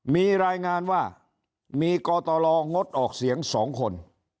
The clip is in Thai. มีรายงานว่ามีกตลดออกเสียง๒คน